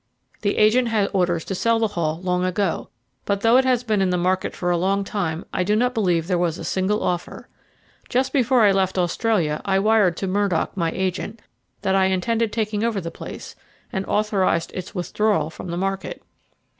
The agent had orders to sell the Hall long ago, but though it has been in the market for a long time I do not believe there was a single offer. Just before I left Australia I wired to Murdock, my agent, that I intended taking over the place, and authorised its withdrawal from the market."